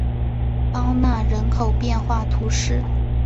邦讷人口变化图示